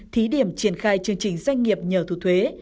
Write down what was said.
thí điểm triển khai chương trình doanh nghiệp nhờ thu thuế